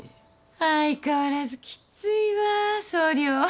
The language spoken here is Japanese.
相変わらずきっついわ総領。